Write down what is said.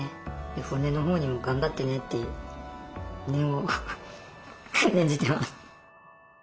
骨のほうにも頑張ってねって念を念じてます。